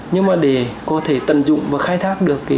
nhưng mà để có thể tận dụng và khai thác được